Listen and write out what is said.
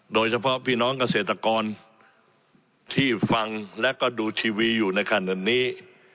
โดยเฉพาะพี่น้องเกษตรกรที่ฟังและก็ดูทีวีอยู่ในขณะนี้